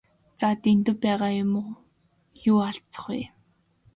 За Дэндэв байгаа юм юу алзах вэ?